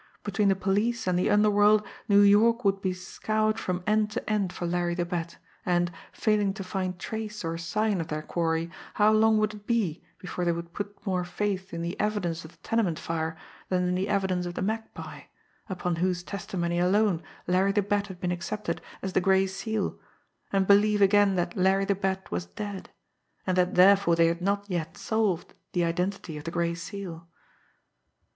Between the police and the underworld New York would be scoured from end to end for Larry the Bat; and, failing to find trace or sign of their quarry, how long would it be before they would put more faith in the evidence of the tenement fire than in the evidence of the Magpie, upon whose testimony alone Larry the Bat had been accepted as the Gray Seal, and believe again that Larry the Bat was dead, and that therefore they had not yet solved the identity of the Gray Seal!